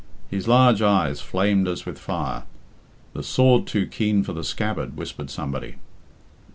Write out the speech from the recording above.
His large eyes flamed as with fire. "The sword too keen for the scabbard," whispered somebody.